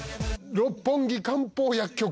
六本木漢方薬局